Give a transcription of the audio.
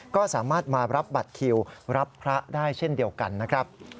ก็สามารถมารับบัตรคิวรับพระได้เช่นเดียวกันนะครับ